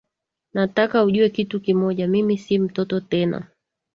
Nataka ujue kitu moja, mimi si mtoto tena!